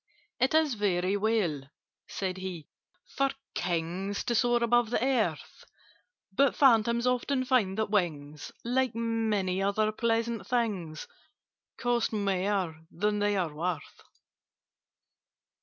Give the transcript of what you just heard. "It's very well," said he, "for Kings To soar above the earth: But Phantoms often find that wings— Like many other pleasant things— Cost more than they are worth.